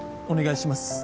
お願いします